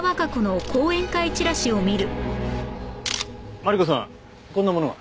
マリコさんこんなものが。